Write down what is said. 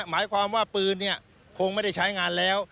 หมายความว่าปืนคงไม่ได้ใช้งานแล้ว